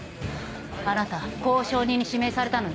あなた交渉人に指名されたのよ。